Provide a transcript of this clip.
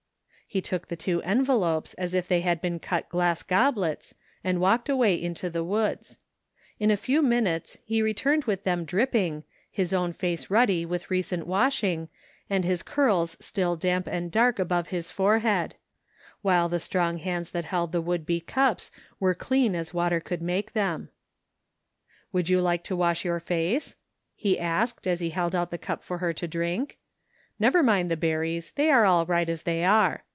He took the two envelopes as if they had been cut glass goblets and walked away into the woods. In a few minutes he returned with them dripping, his own face ruddy with recent washing, and his curls still damp and dark above his forehead; while the strong hands that held the would be cups were clean as water could make them. 50 THE FINDING OP JASPER HOLT Would you like to wash your face? '' he asked as he held out the cup for her to drink " Never mind the berries, they are all right as they are.